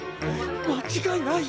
間違いない。